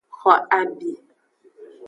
Xo abi.